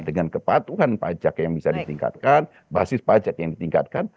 dengan kepatuhan pajak yang bisa ditingkatkan basis pajak yang ditingkatkan